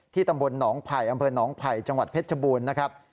ที่ตำรวจนองภัยอำเภิญนองภัยจังหวัดเพชรบูรณ์นะครับ